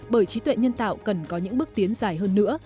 bởi trí tuệ nhân tạo cần có những bước tiến dài hơn nữa